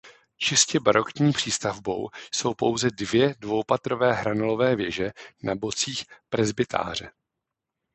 Čistě barokní přístavbou jsou pouze dvě dvoupatrové hranolové věže na bocích presbytáře.